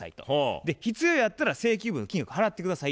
で「必要やったら請求分金額払って下さい」